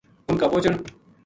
اُنھ کا پوہچن